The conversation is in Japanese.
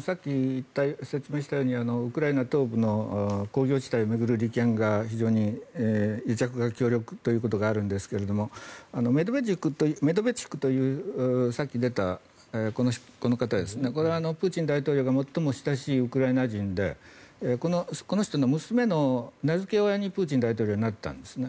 さっき説明したようにウクライナ東部の工業地帯を巡る利権が非常に癒着が強力ということがあるんですがメドベチュクというさっき出たこの方はこれはプーチン大統領が最も親しいウクライナ人でこの人の娘の名付け親にプーチン大統領はなったんですね。